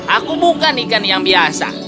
aku bukan ikan yang biasa